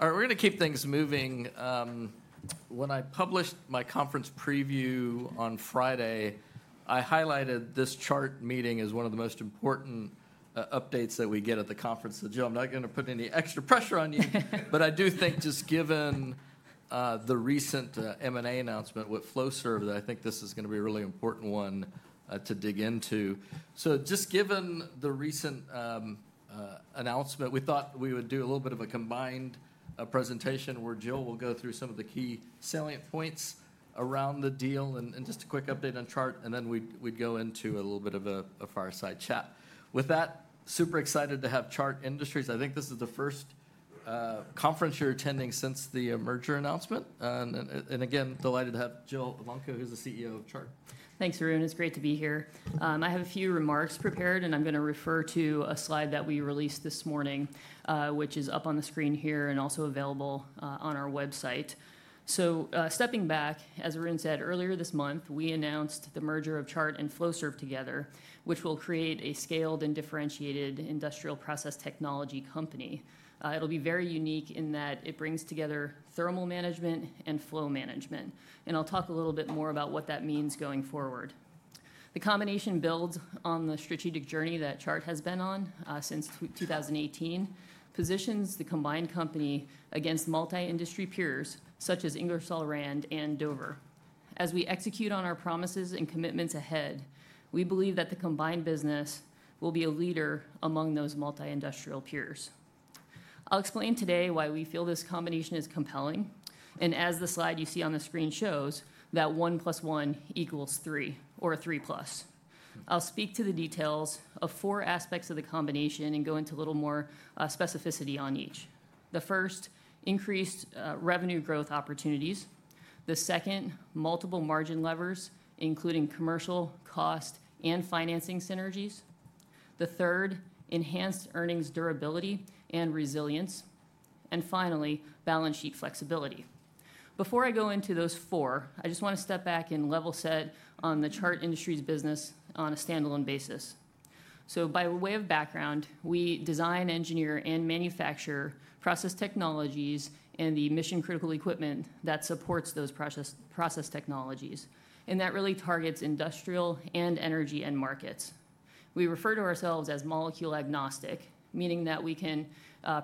All right, we're going to keep things moving. When I published my conference preview on Friday, I highlighted this Chart meeting as one of the most important updates that we get at the conference. Jill, I'm not going to put any extra pressure on you, but I do think just given the recent M&A announcement with Flowserve, that I think this is going to be a really important one to dig into. Just given the recent announcement, we thought we would do a little bit of a combined presentation where Jill will go through some of the key salient points around the deal and just a quick update on Chart, and then we'd go into a little bit of a fireside chat. With that, super excited to have Chart Industries. I think this is the first conference you're attending since the merger announcement. Again, delighted to have Jill Evanko, who's the CEO of Chart. Thanks, Arun. It's great to be here. I have a few remarks prepared, and I'm going to refer to a slide that we released this morning, which is up on the screen here and also available on our website. Stepping back, as Arun said, earlier this month, we announced the merger of Chart and Flowserve together, which will create a scaled and differentiated Industrial Process Technology Company .It will be very unique in that it brings together Thermal Management and Flow Management. I'll talk a little bit more about what that means going forward. The combination builds on the strategic journey that Chart has been on since 2018, positions the combined company against multi-industry peers such as Ingersoll Rand and Dover. As we execute on our promises and commitments ahead, we believe that the combined business will be a leader among those multi-industrial peers. I'll explain today why we feel this combination is compelling. As the slide you see on the screen shows, that one plus one equals three, or three plus. I'll speak to the details of four aspects of the combination and go into a little more specificity on each. The first, increased revenue growth opportunities. The second, multiple margin levers, including commercial, cost, and financing synergies. The third, enhanced earnings durability and resilience. Finally, balance sheet flexibility. Before I go into those four, I just want to step back and level set on the Chart Industries business on a standalone basis. By way of background, we design, engineer, and manufacture process technologies and the mission-critical equipment that supports those process technologies. That really targets industrial and energy end markets. We refer to ourselves as molecule agnostic, meaning that we can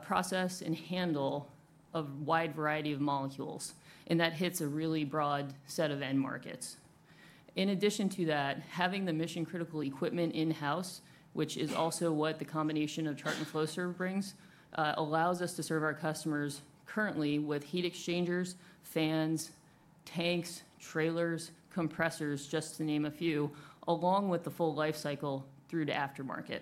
process and handle a wide variety of molecules, and that hits a really broad set of end markets. In addition to that, having the mission-critical equipment in-house, which is also what the combination of Chart and Flowserve brings, allows us to serve our customers currently with heat exchangers, fans, tanks, trailers, compressors, just to name a few, along with the full lifecycle through to aftermarket.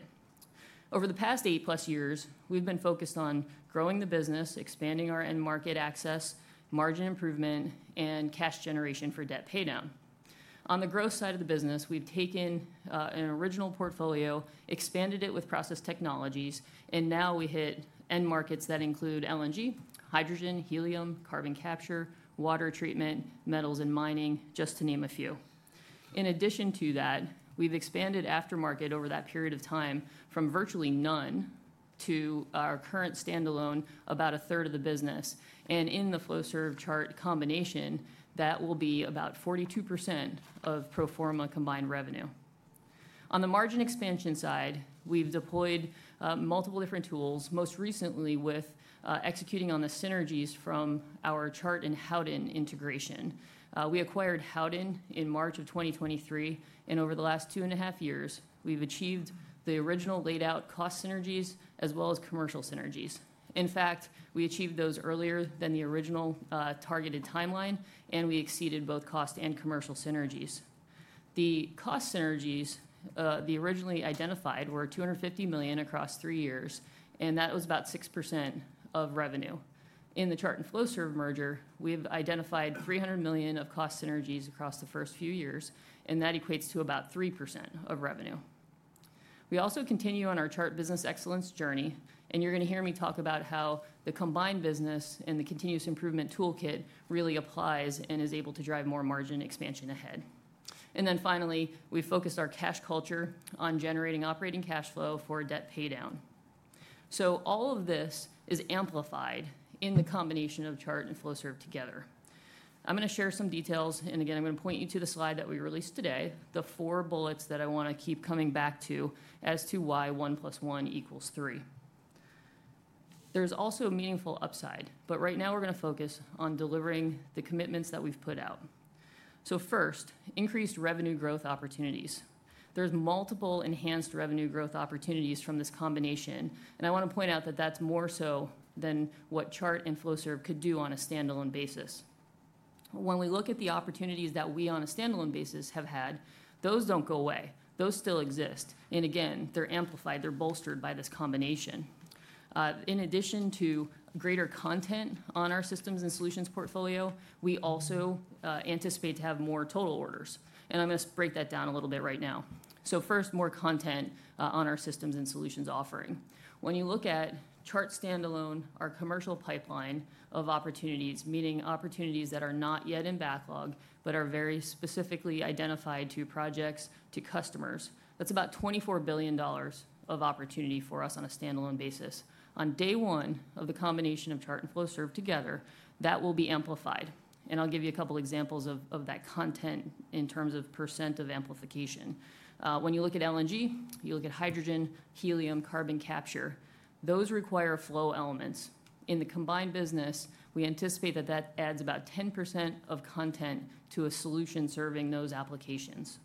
Over the past eight plus years, we've been focused on growing the business, expanding our end market access, margin improvement, and cash generation for debt paydown. On the growth side of the business, we've taken an original portfolio, expanded it with process technologies, and now we hit end markets that include LNG, hydrogen, helium, carbon capture, water treatment, metals, and mining, just to name a few. In addition to that, we've expanded aftermarket over that period of time from virtually none to our current standalone, about a third of the business. In the Flowserve Chart combination, that will be about 42% of pro forma combined revenue. On the margin expansion side, we've deployed multiple different tools, most recently with executing on the synergies from our Chart and Howden integration. We acquired Howden in March of 2023, and over the last two and a half years, we've achieved the original laid out cost synergies as well as commercial synergies. In fact, we achieved those earlier than the original targeted timeline, and we exceeded both cost and commercial synergies. The cost synergies we originally identified were $250 million across three years, and that was about 6% of revenue. In the Chart and Flowserve merger, we've identified $300 million of cost synergies across the first few years, and that equates to about 3% of revenue. We also continue on our Chart Business Excellence journey, and you're going to hear me talk about how the combined business and the continuous improvement toolkit really applies and is able to drive more margin expansion ahead. Finally, we've focused our cash culture on generating operating cash flow for debt paydown. All of this is amplified in the combination of Chart and Flowserve together. I'm going to share some details, and again, I'm going to point you to the slide that we released today, the four bullets that I want to keep coming back to as to why one plus one equals three. There's also a meaningful upside, but right now we're going to focus on delivering the commitments that we've put out. First, increased revenue growth opportunities. There's multiple enhanced revenue growth opportunities from this combination, and I want to point out that that's more so than what Chart and Flowserve could do on a standalone basis. When we look at the opportunities that we on a standalone basis have had, those don't go away. Those still exist. Again, they're amplified, they're bolstered by this combination. In addition to greater content on our systems and solutions portfolio, we also anticipate to have more total orders. I'm going to break that down a little bit right now. First, more content on our systems and solutions offering. When you look at Chart standalone, our commercial pipeline of opportunities, meaning opportunities that are not yet in backlog, but are very specifically identified to projects, to customers, that's about $24 billion of opportunity for us on a standalone basis. On day one of the combination of Chart and Flowserve together, that will be amplified. I'll give you a couple of examples of that content in terms of % of amplification. When you look at LNG, you look at hydrogen, helium, carbon capture, those require flow elements. In the combined business, we anticipate that that adds about 10% of content to a solution serving those applications.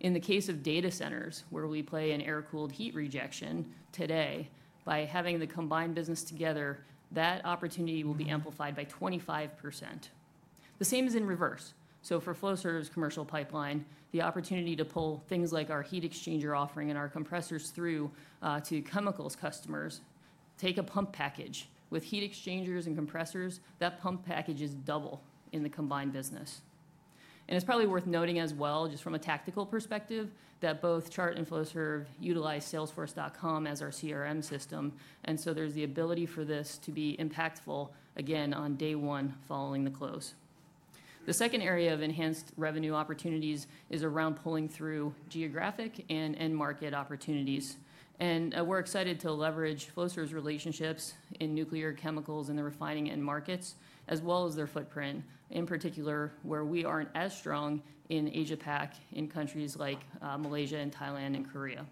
In the case of data centers, where we play in air-cooled heat rejection today, by having the combined business together, that opportunity will be amplified by 25%. The same is in reverse. For Flowserve's commercial pipeline, the opportunity to pull things like our heat exchanger offering and our compressors through to chemicals customers, take a pump package with heat exchangers and compressors, that pump package is double in the combined business. It is probably worth noting as well, just from a tactical perspective, that both Chart and Flowserve utilize salesforce.com as our CRM system. There is the ability for this to be impactful, again, on day one following the close. The second area of enhanced revenue opportunities is around pulling through geographic and end market opportunities. We are excited to leverage Flowserve's relationships in nuclear, chemicals, and the refining end markets, as well as their footprint, in particular where we are not as strong in Asia-Pacific, in countries like Malaysia and Thailand and Korea.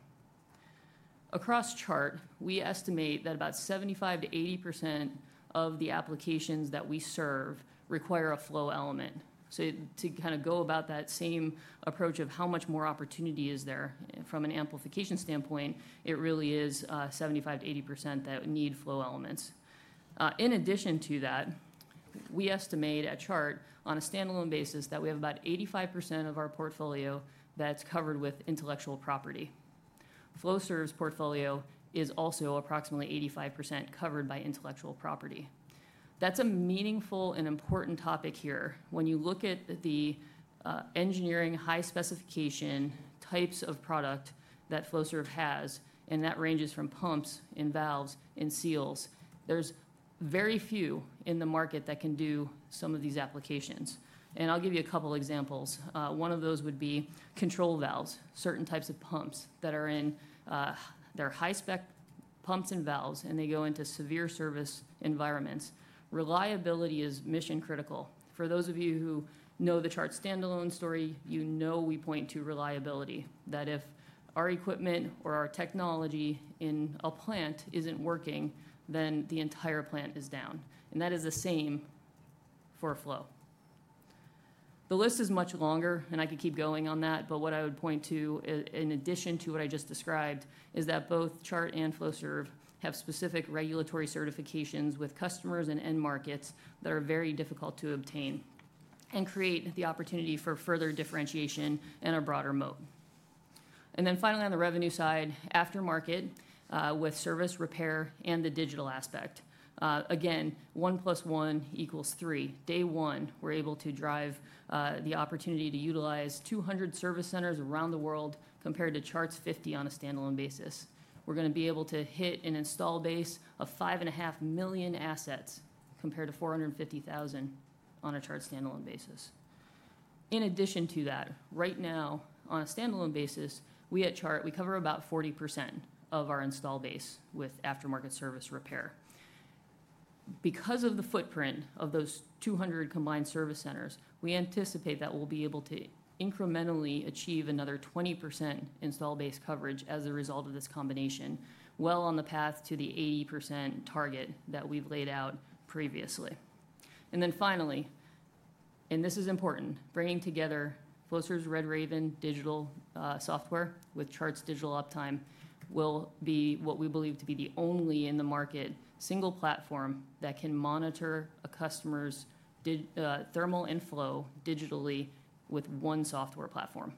Across Chart, we estimate that about 75-80% of the applications that we serve require a flow element. To kind of go about that same approach of how much more opportunity is there from an amplification standpoint, it really is 75-80% that need flow elements. In addition to that, we estimate at Chart on a standalone basis that we have about 85% of our portfolio that's covered with intellectual property. Flowserve's portfolio is also approximately 85% covered by intellectual property. That's a meaningful and important topic here. When you look at the engineering high specification types of product that Flowserve has, and that ranges from pumps and valves and seals, there's very few in the market that can do some of these applications. I'll give you a couple of examples. One of those would be control valves, certain types of pumps that are in their high spec pumps and valves, and they go into severe service environments. Reliability is mission critical. For those of you who know the Chart standalone story, you know we point to reliability, that if our equipment or our technology in a plant isn't working, then the entire plant is down. That is the same for Flowserve. The list is much longer, and I could keep going on that, but what I would point to, in addition to what I just described, is that both Chart and Flowserve have specific regulatory certifications with customers and end markets that are very difficult to obtain and create the opportunity for further differentiation and a broader moat. Finally, on the revenue side, aftermarket with service, repair, and the digital aspect. Again, one plus one equals three. Day one, we're able to drive the opportunity to utilize 200 service centers around the world compared to Chart's 50 on a standalone basis. We're going to be able to hit an install base of five and a half million assets compared to 450,000 on a Chart standalone basis. In addition to that, right now, on a standalone basis, we at Chart, we cover about 40% of our install base with aftermarket service, repair. Because of the footprint of those 200 combined service centers, we anticipate that we'll be able to incrementally achieve another 20% install base coverage as a result of this combination, well on the path to the 80% target that we've laid out previously. Finally, and this is important, bringing together Flowserve's Red Raven digital software with Chart's Digital Uptime will be what we believe to be the only in the market single platform that can monitor a customer's thermal inflow digitally with one software platform.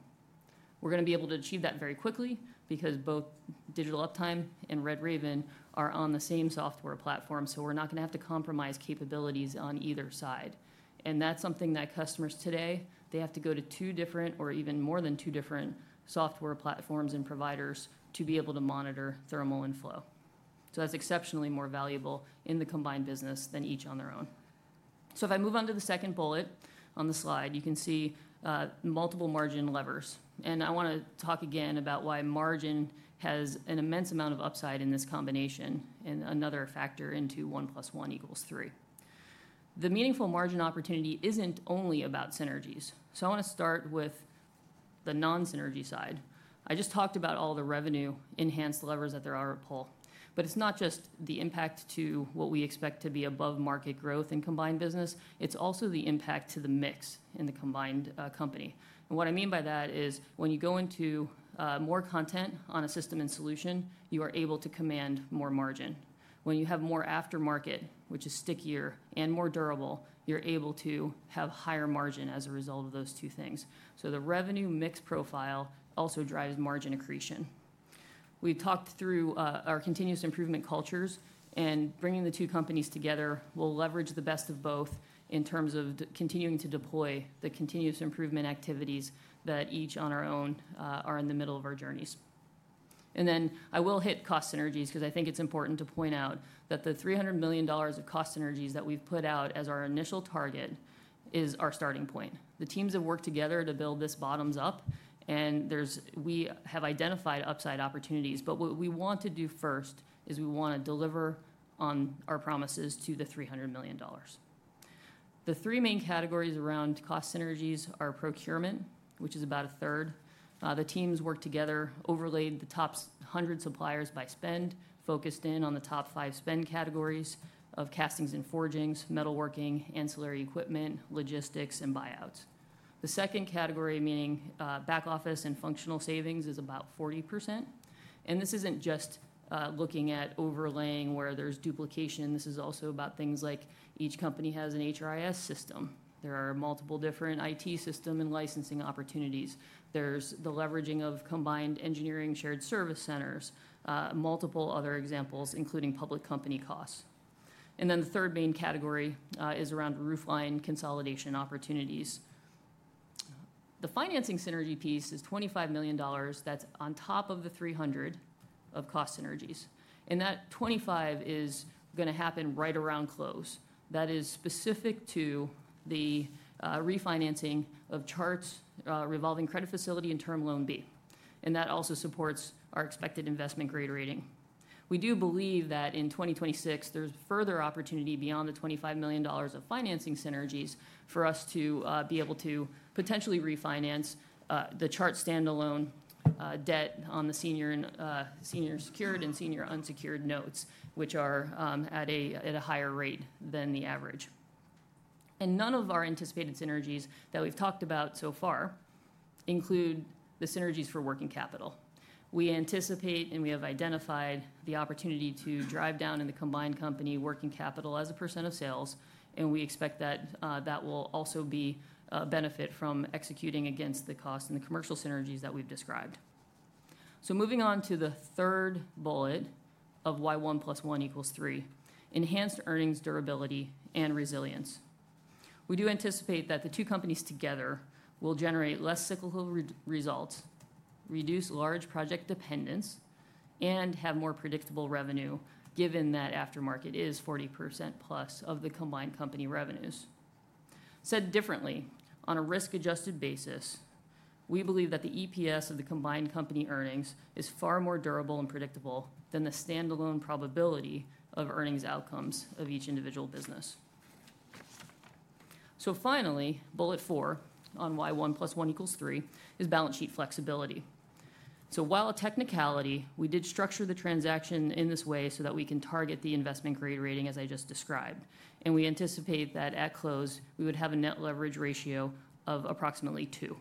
We are going to be able to achieve that very quickly because both Digital Uptime and Red Raven are on the same software platform, so we are not going to have to compromise capabilities on either side. That is something that customers today, they have to go to two different or even more than two different software platforms and providers to be able to monitor thermal inflow. That is exceptionally more valuable in the combined business than each on their own. If I move on to the second bullet on the slide, you can see multiple margin levers. I want to talk again about why margin has an immense amount of upside in this combination and another factor into one plus one equals three. The meaningful margin opportunity is not only about synergies. I want to start with the non-synergy side. I just talked about all the revenue enhanced levers that there are at pull, but it is not just the impact to what we expect to be above market growth in combined business, it is also the impact to the mix in the combined company. What I mean by that is when you go into more content on a system and solution, you are able to command more margin. When you have more aftermarket, which is stickier and more durable, you are able to have higher margin as a result of those two things. The revenue mix profile also drives margin accretion. We've talked through our continuous improvement cultures, and bringing the two companies together will leverage the best of both in terms of continuing to deploy the continuous improvement activities that each on our own are in the middle of our journeys. I will hit cost synergies because I think it's important to point out that the $300 million of cost synergies that we've put out as our initial target is our starting point. The teams have worked together to build this bottoms up, and we have identified upside opportunities. What we want to do first is we want to deliver on our promises to the $300 million. The three main categories around cost synergies are procurement, which is about a third. The teams worked together, overlaid the top 100 suppliers by spend, focused in on the top five spend categories of castings and forgings, metalworking, ancillary equipment, logistics, and buyouts. The second category, meaning back office and functional savings, is about 40%. This is not just looking at overlaying where there is duplication. This is also about things like each company has an HRIS system. There are multiple different IT system and licensing opportunities. There is the leveraging of combined engineering shared service centers, multiple other examples, including public company costs. The third main category is around roofline consolidation opportunities. The financing synergy piece is $25 million. That is on top of the 300 of cost synergies. That 25 is going to happen right around close. That is specific to the refinancing of Chart's revolving credit facility and term loan B. That also supports our expected investment grade rating. We do believe that in 2026, there's further opportunity beyond the $25 million of financing synergies for us to be able to potentially refinance the Chart standalone debt on the senior secured and senior unsecured notes, which are at a higher rate than the average. None of our anticipated synergies that we've talked about so far include the synergies for working capital. We anticipate and we have identified the opportunity to drive down in the combined company working capital as a percent of sales, and we expect that that will also be a benefit from executing against the cost and the commercial synergies that we've described. Moving on to the third bullet of why one plus one equals three, enhanced earnings durability and resilience. We do anticipate that the two companies together will generate less cyclical results, reduce large project dependence, and have more predictable revenue, given that aftermarket is 40% plus of the combined company revenues. Said differently, on a risk-adjusted basis, we believe that the EPS of the combined company earnings is far more durable and predictable than the standalone probability of earnings outcomes of each individual business. Finally, bullet four on why one plus one equals three is balance sheet flexibility. While a technicality, we did structure the transaction in this way so that we can target the investment grade rating as I just described. We anticipate that at close, we would have a net leverage ratio of approximately 2.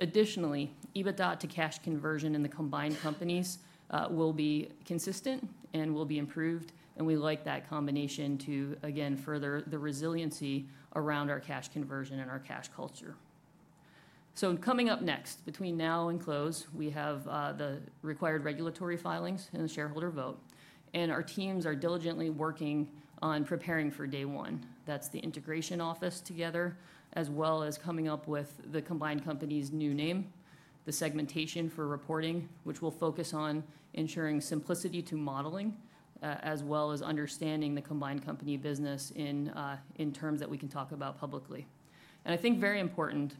Additionally, EBITDA to cash conversion in the combined companies will be consistent and will be improved. We like that combination to, again, further the resiliency around our cash conversion and our cash culture. Coming up next, between now and close, we have the required regulatory filings and the shareholder vote. Our teams are diligently working on preparing for day one. That is the integration office together, as well as coming up with the combined company's new name, the segmentation for reporting, which will focus on ensuring simplicity to modeling, as well as understanding the combined company business in terms that we can talk about publicly. I think very important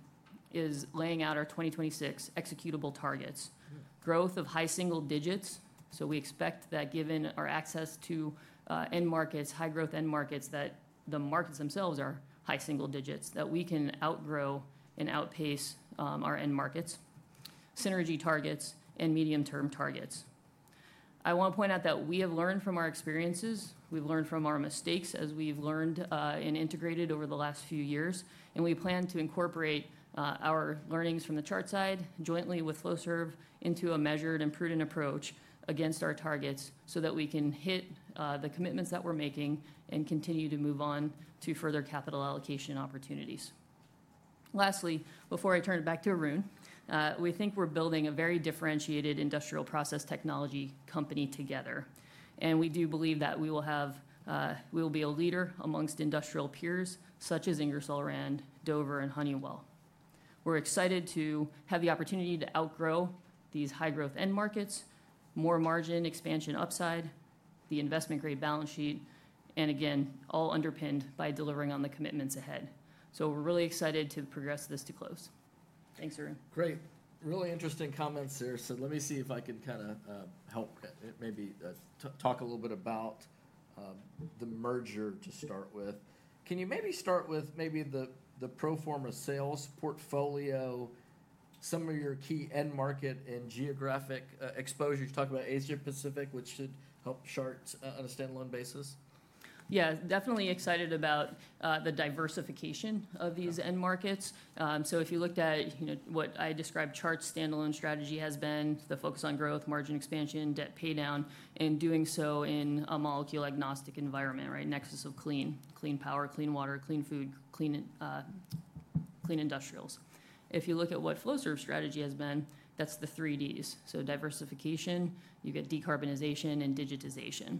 is laying out our 2026 executable targets, growth of high single digits. We expect that given our access to end markets, high growth end markets, that the markets themselves are high single digits, that we can outgrow and outpace our end markets, synergy targets, and medium-term targets. I want to point out that we have learned from our experiences. We've learned from our mistakes as we've learned and integrated over the last few years. We plan to incorporate our learnings from the Chart side jointly with Flowserve into a measured and prudent approach against our targets so that we can hit the commitments that we're making and continue to move on to further capital allocation opportunities. Lastly, before I turn it back to Arun, we think we're building a very differentiated industrial process technology company together. We do believe that we will be a leader amongst industrial peers such as Ingersoll Rand, Dover, and Honeywell. We're excited to have the opportunity to outgrow these high-growth end markets, more margin expansion upside, the investment grade balance sheet, and again, all underpinned by delivering on the commitments ahead. We're really excited to progress this to close. Thanks, Arun. Great. Really interesting comments there. Let me see if I can kind of help. Maybe talk a little bit about the merger to start with. Can you maybe start with maybe the pro forma sales portfolio, some of your key end market and geographic exposure? You talked about Asia-Pacific, which should help Chart's on a standalone basis. Yeah, definitely excited about the diversification of these end markets. If you looked at what I described, Chart's standalone strategy has been the focus on growth, margin expansion, debt paydown, and doing so in a molecule-agnostic environment, right? Nexus of clean, clean power, clean water, clean food, clean industrials. If you look at what Flowserve's strategy has been, that's the three Ds. Diversification, you get decarbonization and digitization.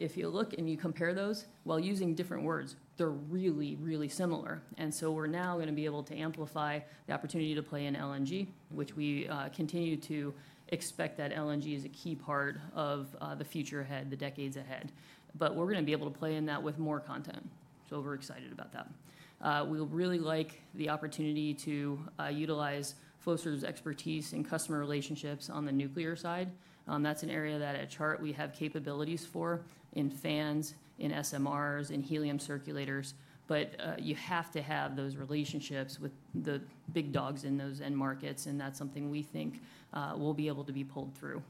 If you look and you compare those, while using different words, they're really, really similar. We are now going to be able to amplify the opportunity to play in LNG, which we continue to expect that LNG is a key part of the future ahead, the decades ahead. We are going to be able to play in that with more content. We are excited about that. We really like the opportunity to utilize Flowserve's expertise in customer relationships on the nuclear side. That is an area that at Chart we have capabilities for in fans, in SMRs, in helium circulators. You have to have those relationships with the big dogs in those end markets, and that is something we think will be able to be pulled through.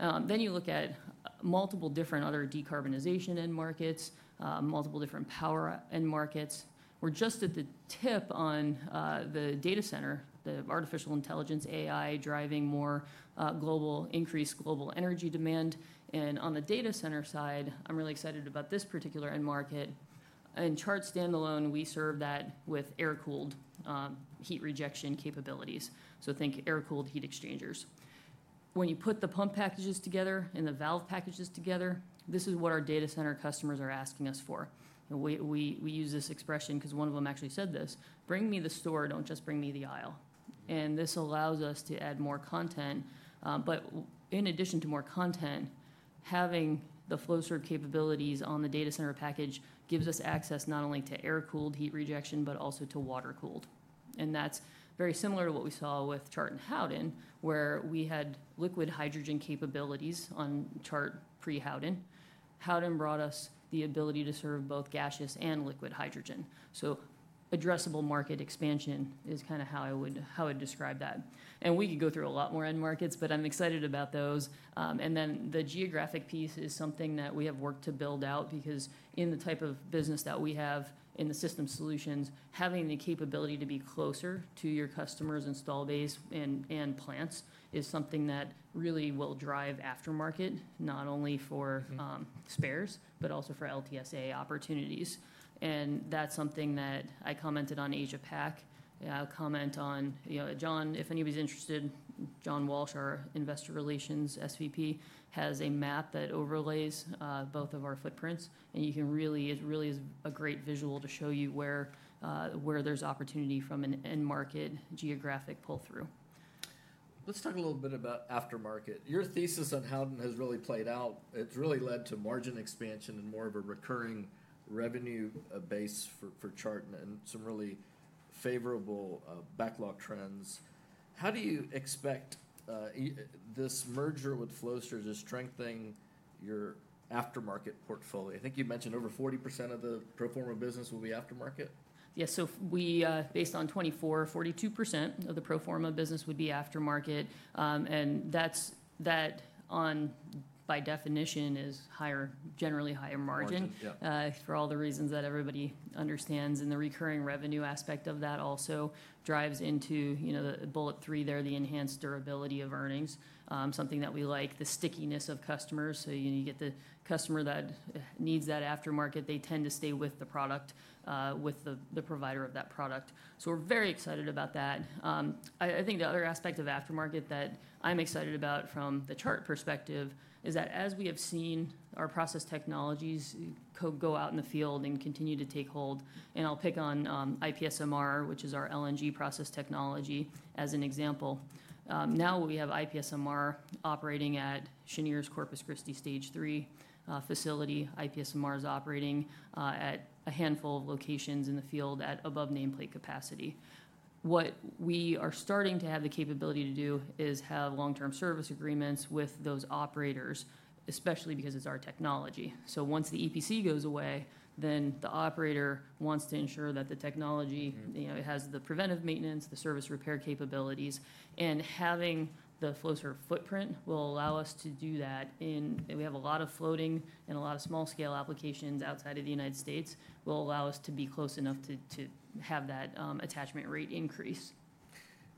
You look at multiple different other decarbonization end markets, multiple different power end markets. We are just at the tip on the data center, the artificial intelligence, AI driving more global increased global energy demand. On the data center side, I'm really excited about this particular end market. In Chart's standalone, we serve that with air-cooled heat rejection capabilities. Think air-cooled heat exchangers. When you put the pump packages together and the valve packages together, this is what our data center customers are asking us for. We use this expression because one of them actually said this, "Bring me the store, don't just bring me the aisle." This allows us to add more content. In addition to more content, having the Flowserve capabilities on the data center package gives us access not only to air-cooled heat rejection, but also to water-cooled. That is very similar to what we saw with Chart and Howden, where we had liquid hydrogen capabilities on Chart pre-Howden. Howden brought us the ability to serve both gaseous and liquid hydrogen. Addressable market expansion is kind of how I would describe that. We could go through a lot more end markets, but I'm excited about those. The geographic piece is something that we have worked to build out because in the type of business that we have in the system solutions, having the capability to be closer to your customers' install base and plants is something that really will drive aftermarket, not only for spares, but also for LTSA opportunities. That's something that I commented on Asia-Pac. I'll comment on, John, if anybody's interested, John Walter, our Investor Relations SVP, has a map that overlays both of our footprints. It really is a great visual to show you where there's opportunity from an end market geographic pull-through. Let's talk a little bit about aftermarket. Your thesis on Howden has really played out. It's really led to margin expansion and more of a recurring revenue base for Chart and some really favorable backlog trends. How do you expect this merger with Flowserve to strengthen your aftermarket portfolio? I think you mentioned over 40% of the pro forma business will be aftermarket. Yeah, so based on 2024, 42% of the pro forma business would be aftermarket. And that one, by definition, is generally higher margin for all the reasons that everybody understands. The recurring revenue aspect of that also drives into the bullet three there, the enhanced durability of earnings, something that we like, the stickiness of customers. You get the customer that needs that aftermarket, they tend to stay with the product, with the provider of that product. We are very excited about that. I think the other aspect of aftermarket that I'm excited about from the Chart perspective is that as we have seen our process technologies go out in the field and continue to take hold. I'll pick on IPSMR, which is our LNG process technology, as an example. Now we have IPSMR operating at Cheniere's Corpus Christi stage three facility. IPSMR is operating at a handful of locations in the field at above nameplate capacity. What we are starting to have the capability to do is have long-term service agreements with those operators, especially because it's our technology. Once the EPC goes away, the operator wants to ensure that the technology has the preventive maintenance, the service repair capabilities. Having the Flowserve footprint will allow us to do that. We have a lot of floating and a lot of small-scale applications outside of the United States that will allow us to be close enough to have that attachment rate increase.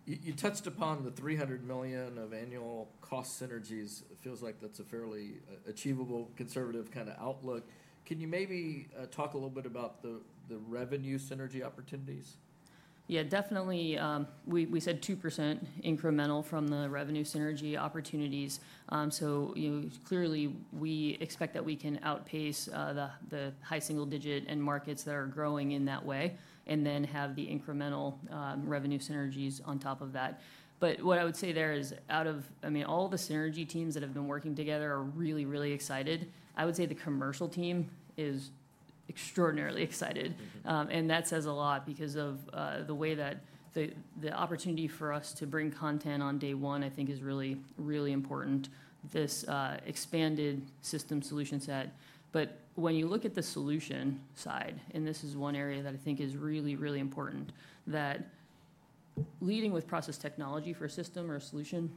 You touched upon the $300 million of annual cost synergies. It feels like that's a fairly achievable, conservative kind of outlook. Can you maybe talk a little bit about the revenue synergy opportunities? Yeah, definitely. We said 2% incremental from the revenue synergy opportunities. Clearly, we expect that we can outpace the high single-digit end markets that are growing in that way and then have the incremental revenue synergies on top of that. What I would say there is, out of, I mean, all the synergy teams that have been working together are really, really excited. I would say the commercial team is extraordinarily excited. That says a lot because of the way that the opportunity for us to bring content on day one, I think, is really, really important, this expanded system solution set. When you look at the solution side, and this is one area that I think is really, really important, that leading with process technology for a system or a solution,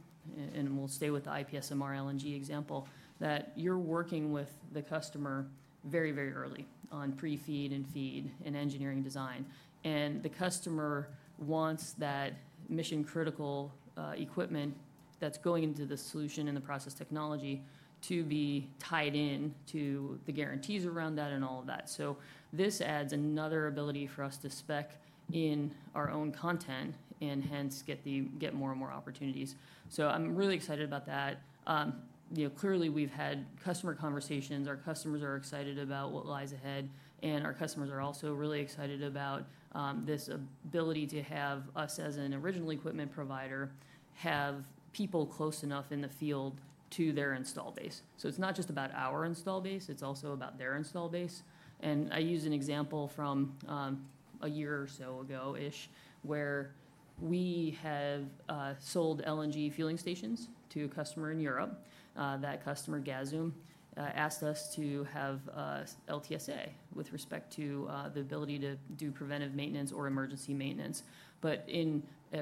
and we'll stay with the IPSMR LNG example, that you're working with the customer very, very early on pre-feed and feed and engineering design. The customer wants that mission-critical equipment that's going into the solution and the process technology to be tied in to the guarantees around that and all of that. This adds another ability for us to spec in our own content and hence get more and more opportunities. I'm really excited about that. Clearly, we've had customer conversations. Our customers are excited about what lies ahead. Our customers are also really excited about this ability to have us as an original equipment provider have people close enough in the field to their install base. It is not just about our install base, it is also about their install base. I use an example from a year or so ago-ish where we have sold LNG fueling stations to a customer in Europe. That customer, Gasum, asked us to have LTSA with respect to the ability to do preventive maintenance or emergency maintenance.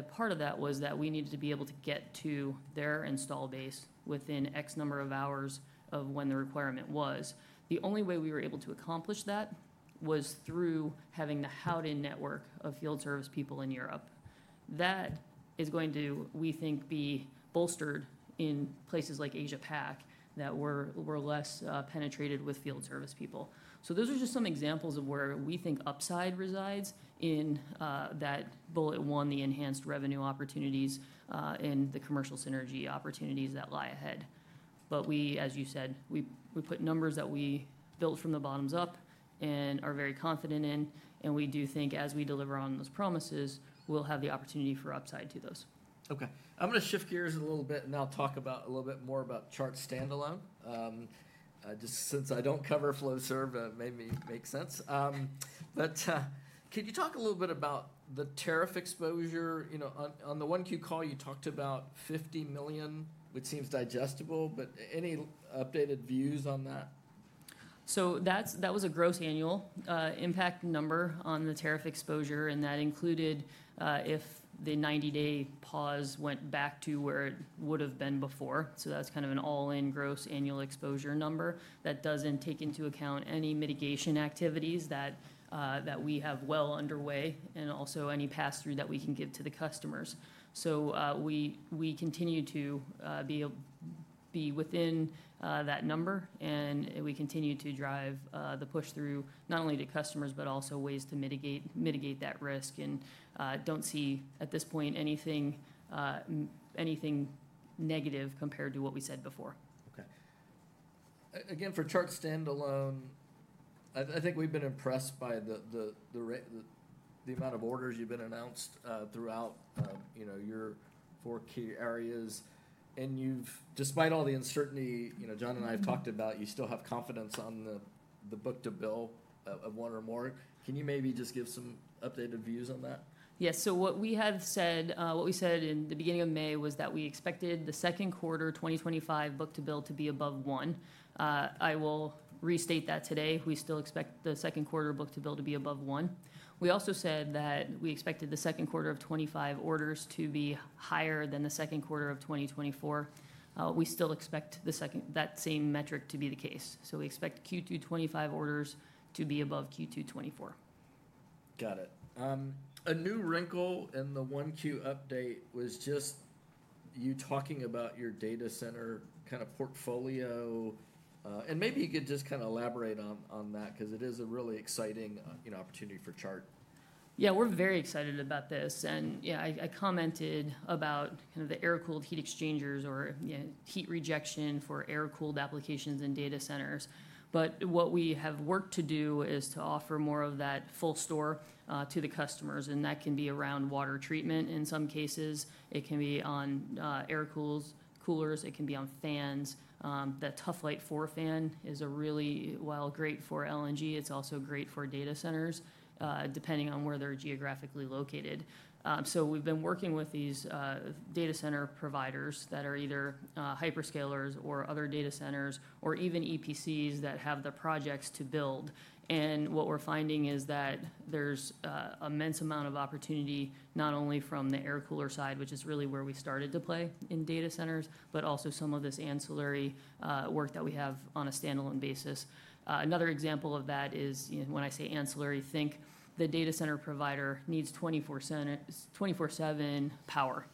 Part of that was that we needed to be able to get to their install base within X number of hours of when the requirement was. The only way we were able to accomplish that was through having the Howden network of field service people in Europe. That is going to, we think, be bolstered in places like Asia-Pac that were less penetrated with field service people. Those are just some examples of where we think upside resides in that bullet one, the enhanced revenue opportunities and the commercial synergy opportunities that lie ahead. As you said, we put numbers that we built from the bottoms up and are very confident in. We do think as we deliver on those promises, we'll have the opportunity for upside to those. Okay. I'm going to shift gears a little bit and I'll talk a little bit more about Chart standalone, just since I don't cover Flowserve, it made me make sense. Can you talk a little bit about the tariff exposure? On the one Q call, you talked about $50 million, which seems digestible, but any updated views on that? That was a gross annual impact number on the tariff exposure. That included if the 90-day pause went back to where it would have been before. That is kind of an all-in gross annual exposure number that does not take into account any mitigation activities that we have well underway and also any pass-through that we can give to the customers. We continue to be within that number. We continue to drive the push through not only to customers, but also ways to mitigate that risk. I do not see at this point anything negative compared to what we said before. Okay. Again, for Chart standalone, I think we have been impressed by the amount of orders you have announced throughout your four key areas. Despite all the uncertainty John and I have talked about, you still have confidence on the book to bill of one or more. Can you maybe just give some updated views on that? Yes. What we have said, what we said in the beginning of May was that we expected the second quarter 2025 book to bill to be above one. I will restate that today. We still expect the second quarter book to bill to be above one. We also said that we expected the second quarter of 2025 orders to be higher than the second quarter of 2024. We still expect that same metric to be the case. We expect Q2 2025 orders to be above Q2 2024. Got it. A new wrinkle in the Q1 update was just you talking about your data center kind of portfolio. Maybe you could just kind of elaborate on that because it is a really exciting opportunity for Chart. Yeah, we're very excited about this. Yeah, I commented about kind of the air-cooled heat exchangers or heat rejection for air-cooled applications in data centers. What we have worked to do is to offer more of that full store to the customers. That can be around water treatment in some cases. It can be on air-cooled coolers. It can be on fans. That Tuf-Lite IV fan is really great for LNG. It is also great for data centers depending on where they are geographically located. We have been working with these data center providers that are either hyperscalers or other data centers or even EPCs that have the projects to build. What we're finding is that there's an immense amount of opportunity not only from the air-cooler side, which is really where we started to play in data centers, but also some of this ancillary work that we have on a standalone basis. Another example of that is when I say ancillary, think the data center provider needs 24/7 power.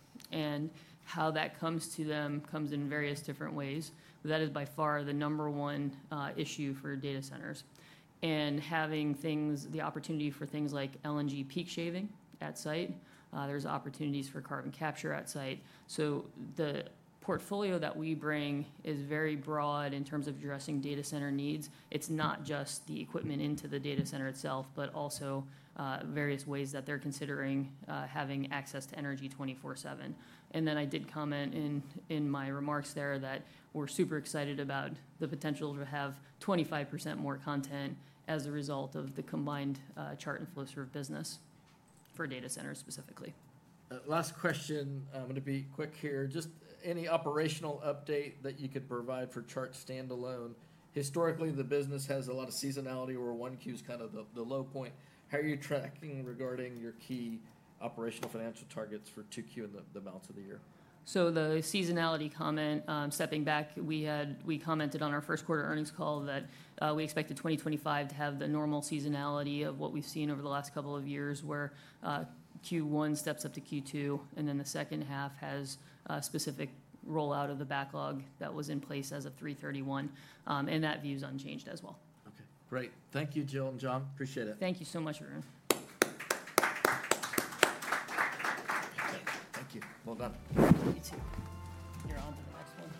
How that comes to them comes in various different ways. That is by far the number one issue for data centers. Having the opportunity for things like LNG peak shaving at site, there's opportunities for carbon capture at site. The portfolio that we bring is very broad in terms of addressing data center needs. It's not just the equipment into the data center itself, but also various ways that they're considering having access to energy 24/7. I did comment in my remarks there that we're super excited about the potential to have 25% more content as a result of the combined Chart and Flowserve business for data centers specifically. Last question. I'm going to be quick here. Just any operational update that you could provide for Chart standalone? Historically, the business has a lot of seasonality where one Q is kind of the low point. How are you tracking regarding your key operational financial targets for 2Q and the balance of the year? The seasonality comment, stepping back, we commented on our first quarter earnings call that we expected 2025 to have the normal seasonality of what we've seen over the last couple of years where Q1 steps up to Q2, and then the second half has specific rollout of the backlog that was in place as of 3/31. That view is unchanged as well. Okay. Great. Thank you, Jill and John. Appreciate it. Thank you so much, everyone. Thank you. Thank you. Well done. You too. You're on to the next one.